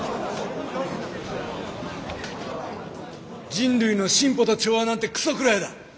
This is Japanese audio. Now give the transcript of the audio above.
「人類の進歩と調和」なんてくそ食らえだ！